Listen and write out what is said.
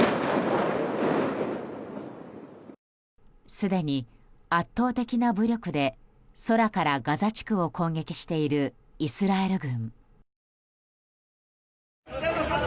すでに圧倒的な武力で空からガザ地区を攻撃しているイスラエル軍。